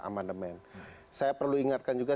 amandemen saya perlu ingatkan juga